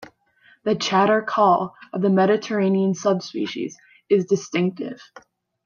The chatter-call of the Mediterranean subspecies is distinctive.